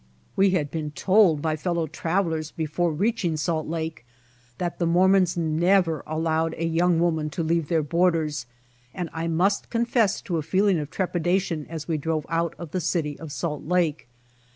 We had been told by fellow travelers before reaching Salt Lake that the Mormons never allowed a young woman to leave their borders, and I must con fess to a feeling of trepidation as we drove out of the city of Salt Lake.